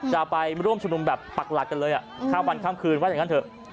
จะไปร่วมชุมนุมแบบปักหลักกันเลยข้ามวันข้ามคืนว่าอย่างนั้นเถอะ